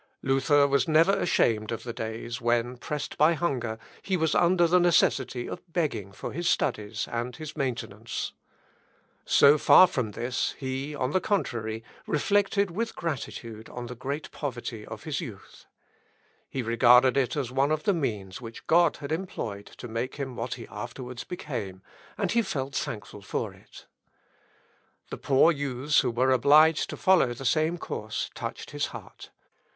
Luther was never ashamed of the days when, pressed by hunger, he was under the necessity of begging for his studies and his maintenance. So far from this, he, on the contrary, reflected with gratitude on the great poverty of his youth. He regarded it as one of the means which God had employed to make him what he afterwards became, and he felt thankful for it. The poor youths who were obliged to follow the same course touched his heart.